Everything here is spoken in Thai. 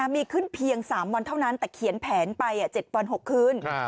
มีขึ้นเพียง๓วันเท่านั้นแต่เขียนแผนไป๗วัน๖คืน